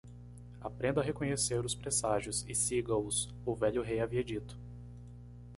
"Aprenda a reconhecer os presságios? e siga-os?", o velho rei havia dito.